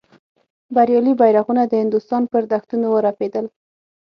بریالي بیرغونه د هندوستان پر دښتونو ورپېدل.